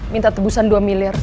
minta tebusan dua miliar